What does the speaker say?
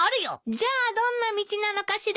じゃあどんな道なのかしら。